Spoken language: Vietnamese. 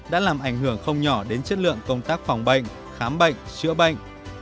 đã làm ảnh hưởng không nhỏ đến chất lượng công tác phòng bệnh khám bệnh chữa bệnh